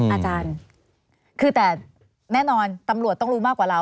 อาจารย์คือแต่แน่นอนตำรวจต้องรู้มากกว่าเรา